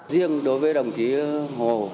riêng đối với đồng chí hồ